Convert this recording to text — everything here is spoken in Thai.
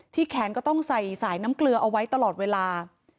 แขนก็ต้องใส่สายน้ำเกลือเอาไว้ตลอดเวลา